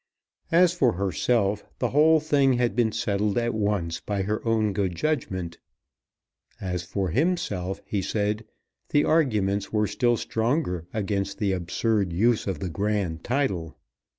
As for herself, the whole thing had been settled at once by her own good judgment. As for himself, he said, the arguments were still stronger against the absurd use of the grand title.